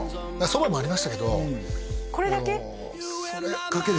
そばもありましたけどこれだけ？